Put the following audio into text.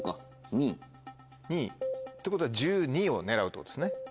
２ってことは１２を狙うってことですね。